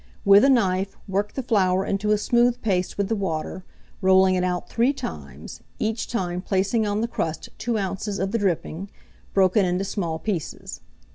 With a knife, work the flour into a smooth paste with the water, rolling it out 3 times, each time placing on the crust 2 oz. of the dripping, broken into small pieces.